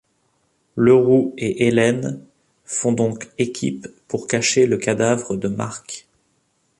Leroux et Hélène font donc équipe pour cacher le cadavre de Marc.